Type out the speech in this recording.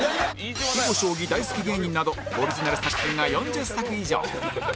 囲碁将棋大好き芸人などオリジナル作品が４０作以上